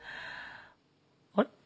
あれ？